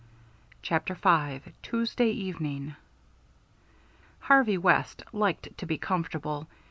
CHAPTER V TUESDAY EVENING Harvey West liked to be comfortable.